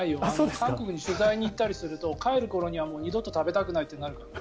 韓国に取材に行ったりすると帰る頃には二度と食べたくないってなるからね。